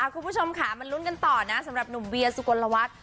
คุณผู้ชมขามันรุนกันต่อนะสำหรับหนุ่มเวียสุโกนระวัตย์